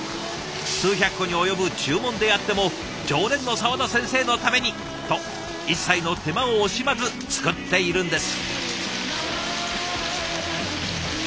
数百個に及ぶ注文であっても常連の沢田先生のために！と一切の手間を惜しまず作っているんです。